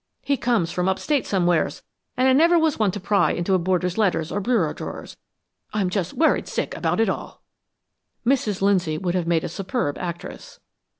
He comes from up State somewheres, and I never was one to pry in a boarder's letters or bureau drawers. I'm just worried sick about it all!" Mrs. Lindsay would have made a superb actress.